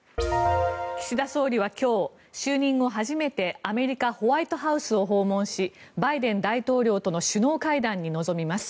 岸田総理は今日、就任後初めてアメリカホワイトハウスを訪問しバイデン大統領との首脳会談に臨みます。